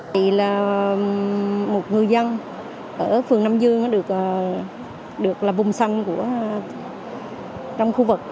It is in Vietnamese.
đây là một người dân ở phường nam dương được là vùng xanh trong khu vực